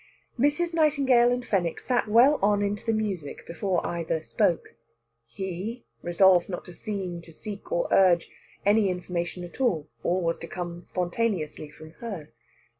Mrs. Nightingale and Fenwick sat well on into the music before either spoke. He, resolved not to seem to seek or urge any information at all; all was to come spontaneously from her.